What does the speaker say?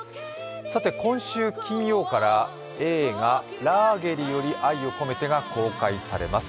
今週金曜から映画「ラーゲリより愛を込めて」が公開されます。